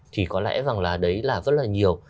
thì có lẽ rằng là đấy là rất là nhiều